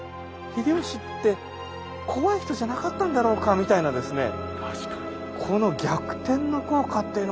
秀吉って怖い人じゃなかったんだろうか」みたいなですね